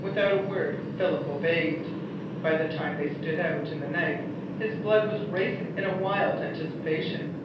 Without a word Philip obeyed. By the time they stood out in the night his blood was racing in a wild anticipation.